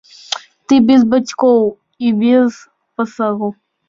Ты без бацькоў і без пасагу.